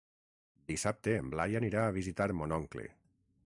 Dissabte en Blai anirà a visitar mon oncle.